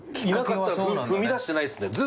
いなかったら踏み出してないですね。